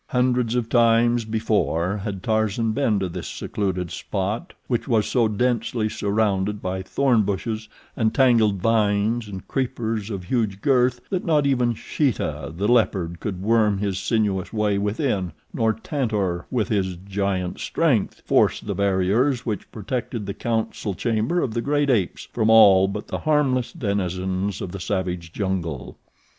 Hundreds of times before had Tarzan been to this secluded spot, which was so densely surrounded by thorn bushes and tangled vines and creepers of huge girth that not even Sheeta, the leopard, could worm his sinuous way within, nor Tantor, with his giant strength, force the barriers which protected the council chamber of the great apes from all but the harmless denizens of the savage jungle.